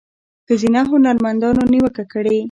ښځینه هنرمندانو نیوکه کړې